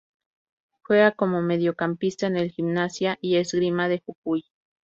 Juega como mediocampista en el Gimnasia y Esgrima de Jujuy.